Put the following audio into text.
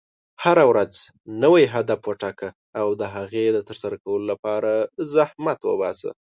هره ورځ نوی هدف وټاکه، او د هغې د ترسره کولو لپاره زحمت وباسه.